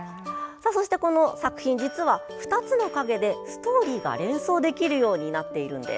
この作品、実は２つの影でストーリーが連想できるようになっているんです。